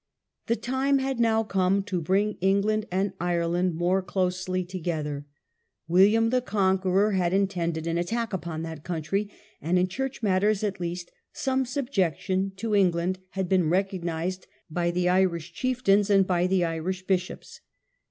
The time had now come to bring England and Ireland more closely together. William the Conqueror had in tended an attack upon that country, and in church matters at least some subjection to England had been recognized by the Irish chieftains and by the Irish bishops.